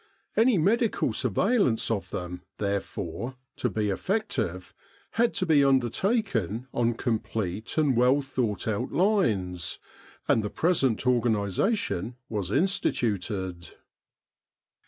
Any medical surveillance of them, therefore, to be effec tive, had to be undertaken on complete and well 280 The Egyptian Labour Corps thought out lines; and the present organisation was instituted.